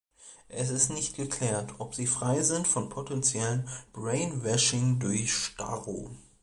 Es ist nicht geklärt, ob sie frei sind von potenziellem Brainwashing durch Starro.